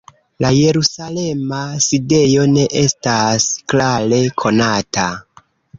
La jerusalema sidejo ne estas klare konata.